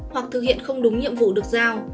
hoặc thực hiện không đúng nhiệm vụ được giao